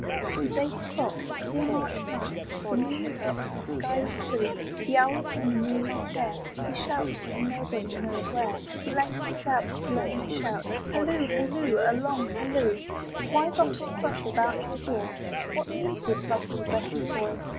Tis eight o'clock, a clear March night, The moon is up the sky is blue, The owlet in the moonlight air, He shouts from nobody knows where; He lengthens out his lonely shout, Halloo! halloo! a long halloo! Why bustle thus about your door, What means this bustle, Betty Foy?